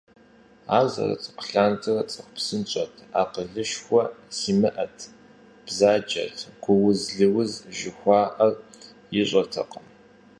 Ар зэрыцӏыкӏу лъандэрэ цӀыху псынщӀэт, акъылышхуэ зимыӀэт, бзаджэт, гууз-лыуз жыхуаӏэр ищӏэтэкъым.